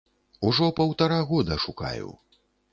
Ужо паўтара года шукаю.